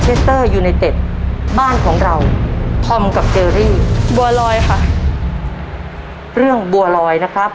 ขอเชิญยาภวงมาต่อไปนะครับ